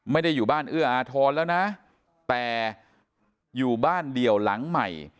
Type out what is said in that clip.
ไม่ได้อยู่บ้านเอื้ออาทรแล้วนะแต่อยู่บ้านเดียวหลังใหม่